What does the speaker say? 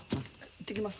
いってきます。